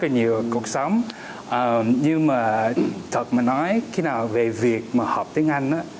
nhiều cuộc sống nhưng mà thật mà nói cái nào về việc mà học tiếng anh